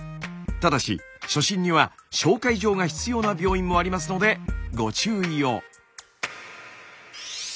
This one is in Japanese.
ただし初診には紹介状が必要な病院もありますのでご注意を。